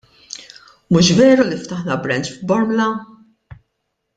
Mhux veru li ftaħna branch f'Bormla?